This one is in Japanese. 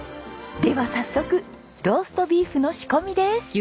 では早速ローストビーフの仕込みです。